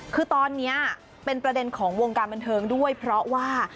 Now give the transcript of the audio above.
คือตอนนี้เป็นประเด็นของวงการบันเทิงด้วยเพราะว่า